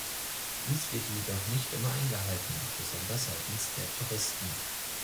Dies wird jedoch nicht immer eingehalten, besonders seitens der Touristen.